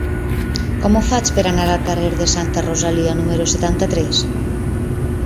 Com ho faig per anar al carrer de Santa Rosalia número setanta-tres?